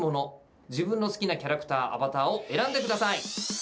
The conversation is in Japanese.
自分の好きなキャラクターアバターを選んでください。